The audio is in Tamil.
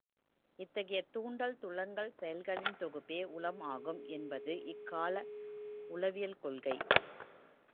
இத்தகைய தூண்டல் துலங்கல் செயல்களின் தொகுப்பே உளம் ஆகும் என்பது இக்கால உளவியல் கொள்கை.